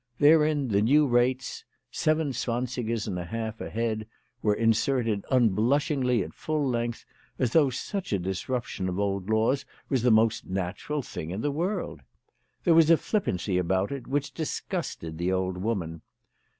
Therein the new rates, seven zwansigers and a half a head, were inserted unblushingly at full length, as though such a disruption of old laws was the most natural thing in the world. There was a flippancy about it which disgusted the old woman.